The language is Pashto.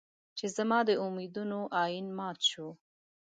چې زما د امېدونو ائين مات شو